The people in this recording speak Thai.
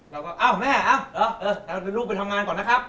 แล้วก็อ้าวแม่เอาเอาเอ๋ลูกไปทำงานก่อนนะครับ